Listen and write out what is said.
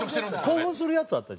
興奮するやつあったじゃん。